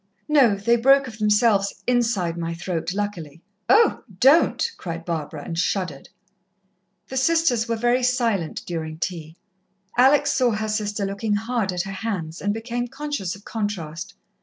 "No. They broke of themselves inside my throat, luckily." "Oh don't!" cried Barbara, and shuddered. The sisters were very silent during tea. Alex saw her sister looking hard at her hands, and became conscious of contrast.